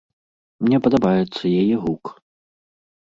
Мне падабаецца яе гук.